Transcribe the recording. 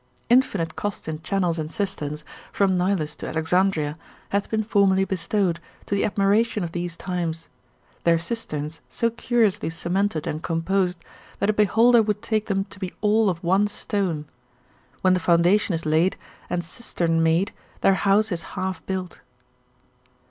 Infinite cost in channels and cisterns, from Nilus to Alexandria, hath been formerly bestowed, to the admiration of these times; their cisterns so curiously cemented and composed, that a beholder would take them to be all of one stone: when the foundation is laid, and cistern made, their house is half built.